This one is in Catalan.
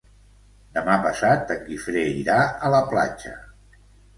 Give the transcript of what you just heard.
Demà passat en Guifré irà a la platja.